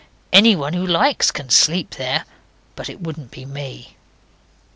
Anyone who likes can sleep there, but it wouldn't be me.